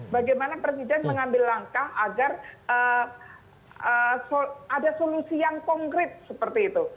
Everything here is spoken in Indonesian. bagaimana presiden mengambil langkah agar ada solusi yang konkret seperti itu